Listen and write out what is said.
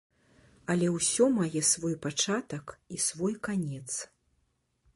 Але ўсё мае свой пачатак і свой канец.